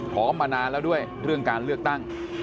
มานานแล้วด้วยเรื่องการเลือกตั้ง